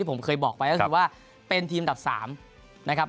ผมเคยบอกไปก็คือว่าเป็นทีมดับ๓นะครับ